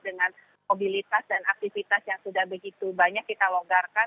dengan mobilitas dan aktivitas yang sudah begitu banyak kita longgarkan